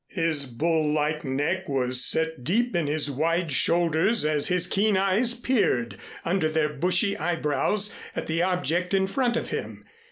His bull like neck was set deep in his wide shoulders as his keen eyes peered under their bushy eyebrows at the object in front of him.